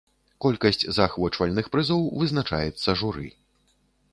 Колькасць заахвочвальных прызоў вызначаецца журы.